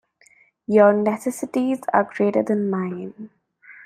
Your necessities are greater than mine.